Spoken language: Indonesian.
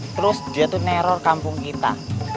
terus dia tuh neror kampung kita